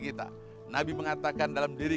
kita nabi mengatakan dalam diri